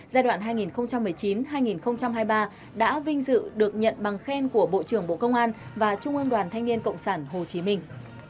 giai đoạn hai nghìn một mươi chín hai nghìn hai mươi ba đã vinh dự được nhận bằng khen của bộ trưởng bộ công an và trung ương đoàn thanh niên cộng sản hồ chí minh